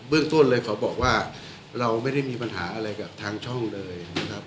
เรื่องต้นเลยเขาบอกว่าเราไม่ได้มีปัญหาอะไรกับทางช่องเลยนะครับ